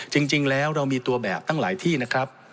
จริงแล้วเรามีตัวแบบตั้งหลายที่นะครับ